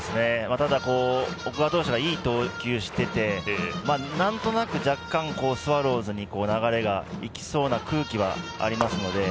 ただ奥川投手がいい投球をしててなんとなく、若干スワローズに流れがいきそうな空気はありますので。